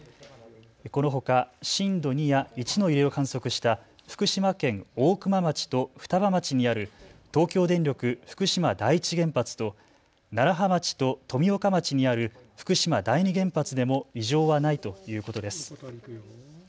このほか震度２や１の揺れを観測した福島県大熊町と双葉町にある東京電力福島第一原発と楢葉町と富岡町にある福島第二原発でも異常はないということです。